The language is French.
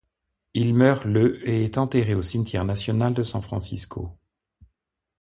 Il meurt le et est enterré au cimetière national de San Francisco.